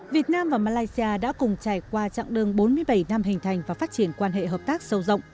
việt nam và malaysia đã cùng trải qua chặng đường bốn mươi bảy năm hình thành và phát triển quan hệ hợp tác sâu rộng